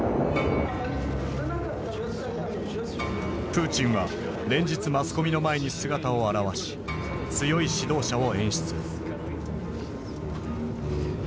プーチンは連日マスコミの前に姿を現し強い指導者を演出。